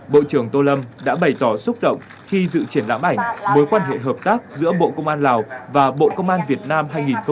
bộ trưởng tô lâm đã bày tỏ xúc động khi dự triển lãm ảnh mối quan hệ hợp tác giữa bộ công an lào và bộ công an việt nam hai nghìn hai mươi ba